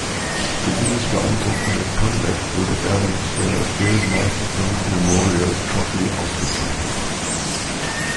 Für dieses beeindruckende Comeback wurde er mit der Bill Masterton Memorial Trophy ausgezeichnet.